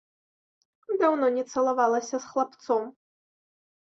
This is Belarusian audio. Даўно не цалавалася з хлапцом.